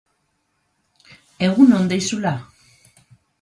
Egun on deizula!